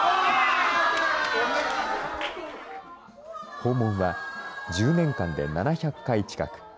訪問は１０年間で７００回近く。